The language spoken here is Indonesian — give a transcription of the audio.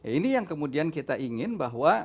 ini yang kemudian kita ingin bahwa